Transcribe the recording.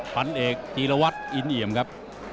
พันธุ์เอกจีรวัตอินเหยมครับ